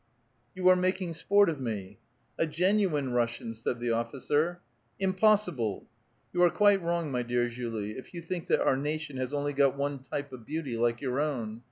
'' You are making sport of me !"A genuine Russian," said the officer. " Impossible !"*' You are quite wrong, my dear Julie, if you think that our nation has only one type of beauty, like your own.